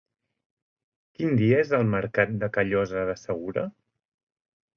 Quin dia és el mercat de Callosa de Segura?